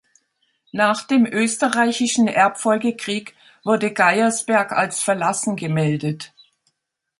Nach dem Österreichischen Erbfolgekrieg wurde Geiersberg als verlassen gemeldet.